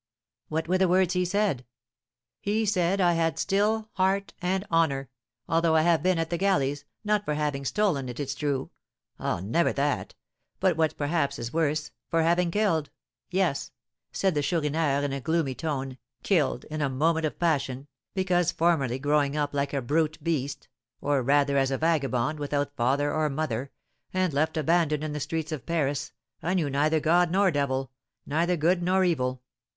"What were the words he said?" "He said I had still heart and honour, although I have been at the galleys, not for having stolen, it is true, ah, never that, but what perhaps is worse, for having killed, yes," said the Chourineur, in a gloomy tone, "killed in a moment of passion, because formerly growing up like a brute beast, or, rather, as a vagabond, without father or mother, and left abandoned in the streets of Paris, I knew neither God nor devil neither good nor evil.